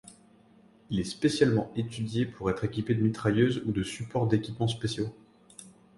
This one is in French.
Il est spécialement étudié pour être équipé de mitrailleuses ou de supports d'équipements spéciaux.